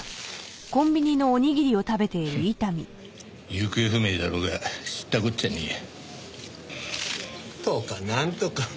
行方不明だろうが知ったこっちゃねえや。とかなんとか。